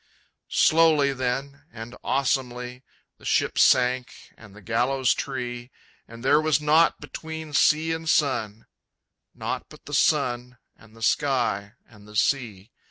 Slowly then, and awesomely, The ship sank, and the gallows tree, And there was nought between sea and sun Nought but the sun and the sky and the sea.